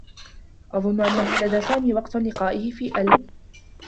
أظنّ أنّه لدى سامي وقت لقائه في ال